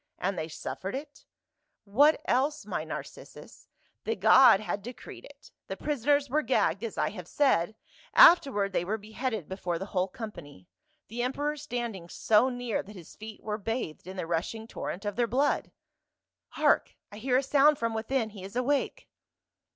" And they suffered it ?"" What else, my Narcissus ; the god had decreed 154 PA UL. it ! The prisoners were gagged, as I have said, after ward they were beheaded before the whole company, the emperor standing so near that his feet were bathed in the rushing torrent of their blood." " Hark ! I hear a sound from within ; he is awake."